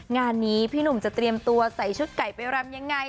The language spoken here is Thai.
งานนี้พี่หนุ่มจะเตรียมตัวใส่ชุดไก่ไปรำยังไง